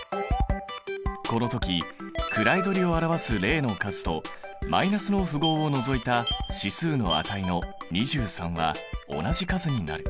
この時位取りを表す０の数とマイナスの符号を除いた指数の値の２３は同じ数になる。